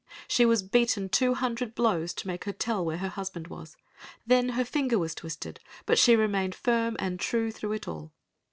She was beaten two hundred blows to make her tell where her husband was. Then her finger was twisted, but she remained firm and true through it all.